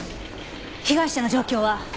被害者の状況は？